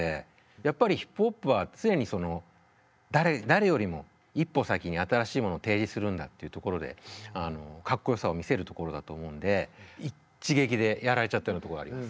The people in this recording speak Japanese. やっぱりヒップホップは常に誰よりも一歩先に新しいものを提示するんだっていうところでかっこよさを見せるところだと思うんで一撃でやられちゃったようなところがあります。